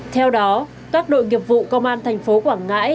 theo đó các đội nghiệp vụ công an tp quảng ngãi